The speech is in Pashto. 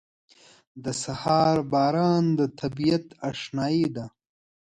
• د سهار باران د طبیعت اشنايي ده.